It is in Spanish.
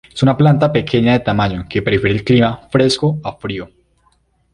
Es una planta pequeña de tamaño que prefiere el clima fresco a frío.